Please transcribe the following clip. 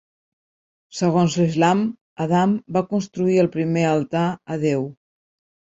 Segons l'islam, Adam va construir el primer altar a Déu.